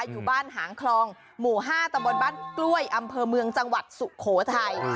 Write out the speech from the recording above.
อยู่บ้านหางคลองหมู่๕ตำบลบ้านกล้วยอำเภอเมืองจังหวัดสุโขทัย